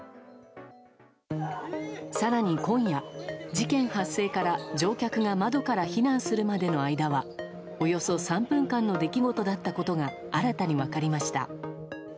更に今夜、事件発生から乗客が窓から避難するまでの間はおよそ３分間の出来事だったことが新たに分かりました。